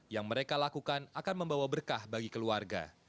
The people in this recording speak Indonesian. yang mereka lakukan akan membawa berkah bagi keluarga